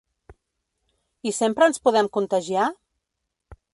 I sempre ens podem contagiar?